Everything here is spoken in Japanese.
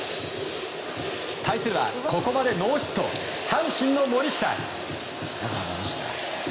対するはここまでノーヒット阪神の森下。